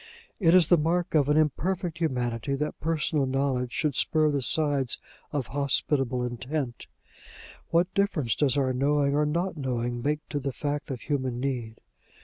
It is the mark of an imperfect humanity, that personal knowledge should spur the sides of hospitable intent: what difference does our knowing or not knowing make to the fact of human need?